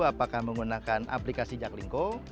apakah menggunakan aplikasi jaklingco